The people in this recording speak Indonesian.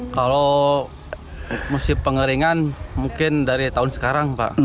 kalau musim pengeringan mungkin dari tahun sekarang pak